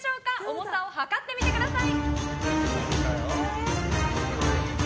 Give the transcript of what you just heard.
重さを量ってみてください！